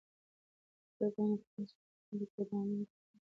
بزګرانو ټول حاصلات په خوندي ګودامونو کې ځای پر ځای کړل.